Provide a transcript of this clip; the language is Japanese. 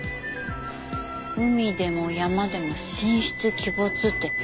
海でも山でも神出鬼没って